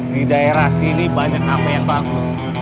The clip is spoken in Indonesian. di daerah sini banyak apa yang bagus